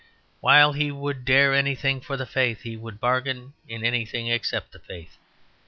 While he would dare anything for the faith, he would bargain in anything except the faith.